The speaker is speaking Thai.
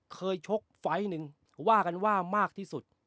ชกไฟล์หนึ่งว่ากันว่ามากที่สุด